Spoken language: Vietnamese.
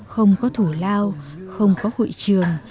không có thủ lao không có hội trường